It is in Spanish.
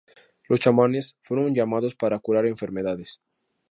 Los chamanes fueron llamados para curar enfermedades.